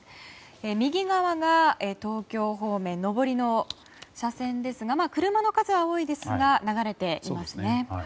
右側が東京方面上りの車線ですが車の数は多いですが流れていますね。